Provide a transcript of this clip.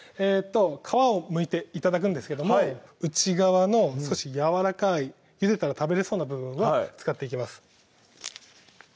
皮をむいて頂くんですけども内側の少しやわらかいゆでたら食べれそうな部分は使っていきます